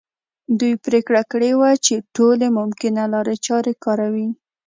دوی پرېکړه کړې وه چې ټولې ممکنه لارې چارې کاروي.